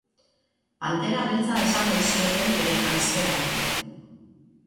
Pantera beltza esan ohi zioten bere janzkeragatik.